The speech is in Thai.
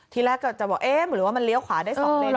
แต่ก็จะเบาเหมือนแบบเอ้ะเหมือนแบบเรียวขวาได้๒เลน